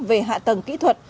về hạ tầng kỹ thuật